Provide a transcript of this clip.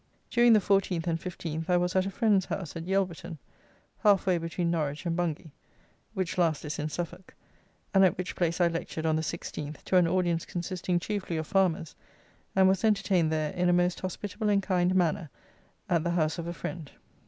During the 14th and 15th, I was at a friend's house at Yelverton, half way between Norwich and Bungay, which last is in Suffolk, and at which place I lectured on the 16th to an audience consisting chiefly of farmers, and was entertained there in a most hospitable and kind manner at the house of a friend.